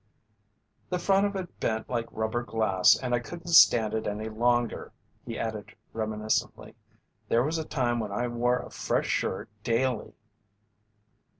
"The front of it bent like rubber glass and I couldn't stand it any longer." He added reminiscently: "There was a time when I wore a fresh shirt daily."